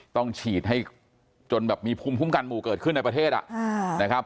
ต้องฉีดให้จนแบบมีภูมิคุ้มกันหมู่เกิดขึ้นในประเทศนะครับ